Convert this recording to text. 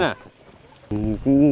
cô chơi nào